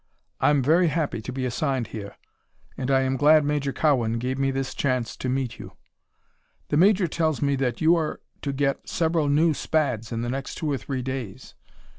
I'm very happy to be assigned here, and I am glad Major Cowan gave me this chance to meet you. The Major tells me that you are to get several new Spads in the next two or three days.